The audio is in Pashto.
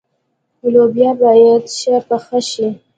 لوبیا باید ښه پخه شي.